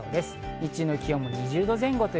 日中の気温は２０度前後。